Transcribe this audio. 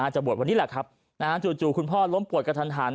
จะบวชวันนี้แหละครับจู่คุณพ่อล้มปวดกระทัน